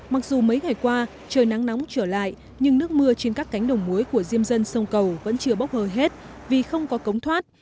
mặc dù mấy ngày qua trời nắng nóng trở lại nhưng nước mưa trên các cánh đồng muối của diêm dân sông cầu vẫn chưa bốc hơi hết vì không có cống thoát